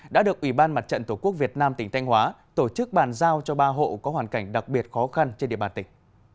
đã được ủy ban mặt trận tổ quốc việt nam tỉnh thanh hóa tổ chức bàn giao cho ba hộ có hoàn cảnh đặc biệt khó khăn trên địa bàn tỉnh